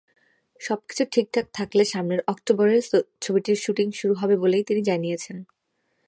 সবকিছু ঠিকঠাক থাকলে সামনের অক্টোবরে ছবিটির শুটিং শুরু হবে বলেই জানিয়েছেন তিনি।